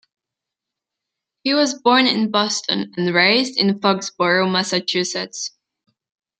He was born in Boston and raised in Foxborough, Massachusetts.